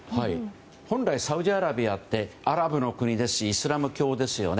本来、サウジアラビアってアラブの国ですしイスラム教ですよね。